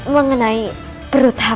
kau nggak tahu apa itu dari kita